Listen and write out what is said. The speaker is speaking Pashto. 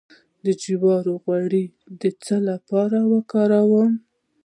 د جوارو غوړي د څه لپاره وکاروم؟